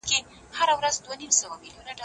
هیوادونه د مخدره توکو پر ضد په ګډه مبارزه کوي.